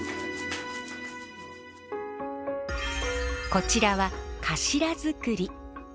こちらは頭作り。